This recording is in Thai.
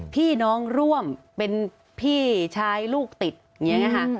พี่น้องร่วมเป็นพี่ชายลูกติดอย่างนี้ค่ะ